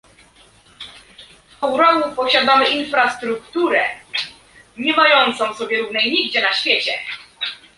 W Kourou posiadamy infrastrukturę nie mającą sobie równej nigdzie na świecie